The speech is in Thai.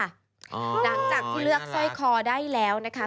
อ๋อน่ารักหลังจากที่เลือกสร้อยคอได้แล้วนะคะ